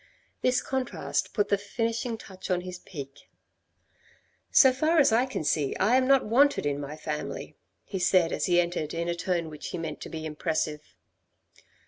This contrast put the finishing touch on his pique. " So far as I can see I am not wanted in my family," he said as he entered in a tone which he meant to be impressive.